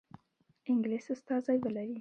انګلیس استازی ولري.